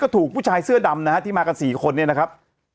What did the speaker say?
ถูกผู้ชายเสื้อดำนะฮะที่มากัน๔คนเนี่ยนะครับ